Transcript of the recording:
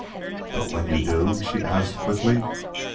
"But when you do?" she asked quickly.